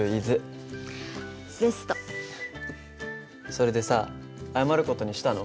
それでさ謝る事にしたの？